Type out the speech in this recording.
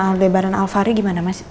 aldebaran alfari gimana